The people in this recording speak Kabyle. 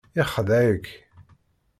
Ixdeɛ-ik.